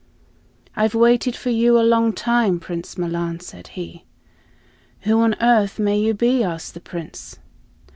"I've waited for you a long time, Prince Milan," said he. "Who on earth may you be?" asked the Prince.